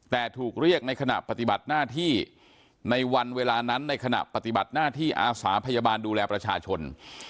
แต่ถูกเรียกในขณะปฏิบัติหน้าที่ในวันเวลานั้นในขณะปฏิบัติหน้าที่อาสาพยาบาลดูแลประชาชน